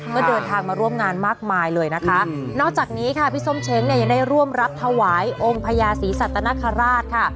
ก็เดินทางมาร่วมงานมากมายเลยนะคะนอกจากนี้ค่ะพี่ส้มเช้งเนี่ยยังได้ร่วมรับถวายองค์พญาศรีสัตนคราชค่ะ